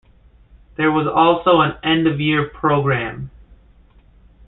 There was also an end-of-year programme.